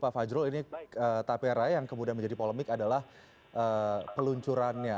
pak fajrul ini tapera yang kemudian menjadi polemik adalah peluncurannya